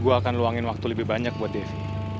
gue akan luangin waktu lebih banyak buat devi